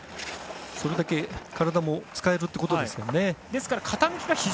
それだけ体も使えるということですからね。